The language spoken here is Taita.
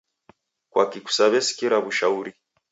Kwaki kusaw'esikira w'ushauri?